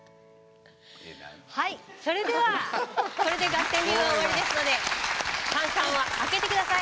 はいそれではこれでガッテン流は終わりですので炭酸は開けて下さい。